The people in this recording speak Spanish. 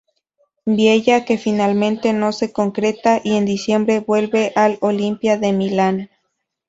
Biella que finalmente no se concreta y en diciembre vuelve al Olimpia de Milán.